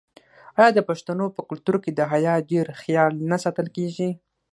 آیا د پښتنو په کلتور کې د حیا ډیر خیال نه ساتل کیږي؟